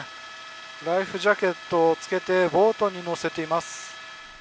ライフジャケットをつけて、ボートに乗せています。